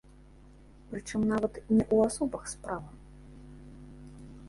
Прычым нават не ў асобах справа.